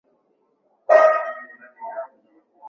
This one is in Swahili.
mbalimbali zilipopenya Hii inatokana na ukweli kwamba watu wengi wa